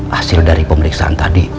hasil dari pemeriksaan tadi